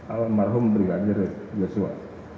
almarhum berganjir joshua